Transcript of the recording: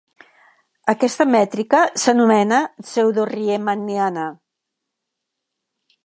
Aquesta mètrica s'anomena pseudoriemanniana.